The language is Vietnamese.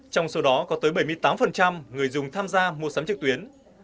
trong số đó có tới bảy mươi tám người dùng tham gia mua sắm trực tuyến